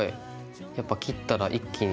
やっぱ切ったら一気に。